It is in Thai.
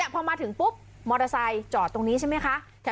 พอมาถึงปุ๊บมอเตอร์ไซค์จอดตรงนี้ใช่ไหมคะ